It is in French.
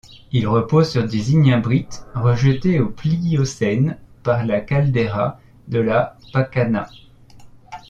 Il repose sur des ignimbrites rejetés au Pliocène par la caldeira de La Pacana.